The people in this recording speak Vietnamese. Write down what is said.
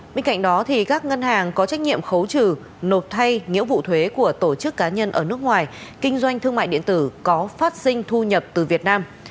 bên cạnh đó các ngân hàng có trách nhiệm khấu trừ nộp thay nghĩa vụ thuế của tổ chức cá nhân ở nước ngoài kinh doanh thương mại điện tử có phát sinh thu nhập từ việt nam